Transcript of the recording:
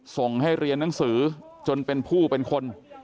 ส่งให้เรียนหนังสือจนเป็นผู้เป็นคน